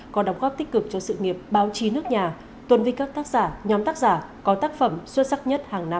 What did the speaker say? có đóng góp tích cực cho sự nghiệp báo chí nước nhà tuân vinh các tác giả nhóm tác giả có tác phẩm xuất sắc nhất hàng năm